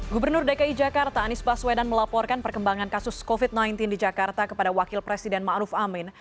gubernur dki jakarta anies baswedan melaporkan perkembangan kasus covid sembilan belas di jakarta kepada wakil presiden ⁇ maruf ⁇ amin